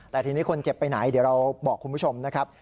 แต่ทีนี้คนเจ็บไปไหนเดี๋ยวเราบอกคุณผู้ชมนะครับ